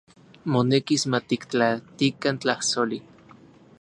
Monekis matiktlatikan tlajsoli.